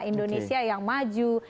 indonesia yang maju